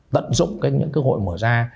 tận dụng những cơ hội mở ra